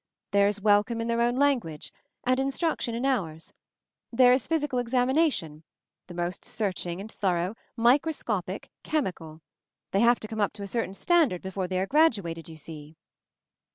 There is welcome in their own language — and instruction in ours. There is physical examination — the most search ing and thorough — microscopic — chemical. They have to come up to a certain standard before they are graduated, you see."